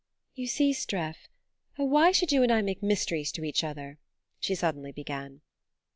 "You see, Streff oh, why should you and I make mysteries to each other?" she suddenly began.